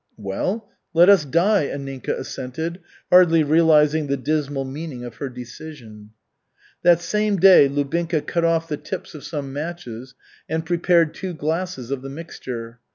"Well let us die," Anninka assented, hardly realizing the dismal meaning of her decision. That same day Lubinka cut off the tips of some matches and prepared two glasses of the mixture.